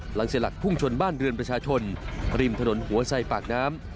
เสียหลักพุ่งชนบ้านเรือนประชาชนริมถนนหัวไซปากน้ำ